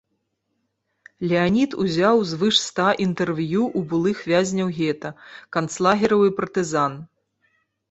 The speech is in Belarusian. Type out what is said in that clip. Леанід узяў звыш ста інтэрв'ю ў былых вязняў гета, канцлагераў і партызан.